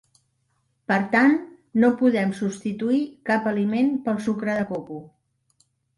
Per tant, no podem substituir cap aliment pel sucre de coco.